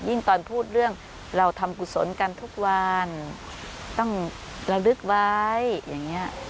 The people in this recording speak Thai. ตอนพูดเรื่องเราทำกุศลกันทุกวันต้องระลึกไว้อย่างนี้